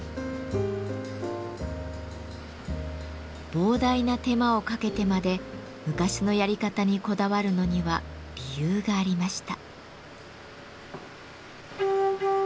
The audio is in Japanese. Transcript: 膨大な手間をかけてまで昔のやり方にこだわるのには理由がありました。